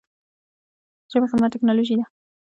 د ژبې خدمت ټکنالوژي ده.